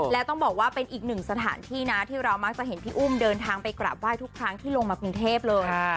และต้องบอกว่าเป็นอีกหนึ่งสถานที่นะที่เรามักจะเห็นพี่อุ้มเดินทางไปกราบไหว้ทุกครั้งที่ลงมากรุงเทพเลย